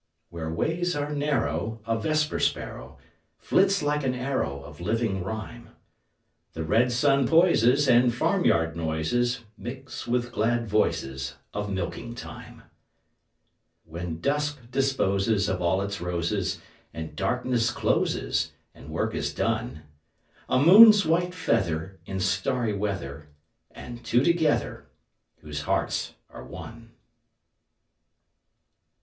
Where ways are narrow, A vesper sparrow Flits like an arrow Of living rhyme; The red sun poises, And farmyard noises Mix with glad voices Of milking time. When dusk disposes Of all its roses, And darkness closes, And work is done, A moon's white feather In starry weather And two together Whose hearts are one.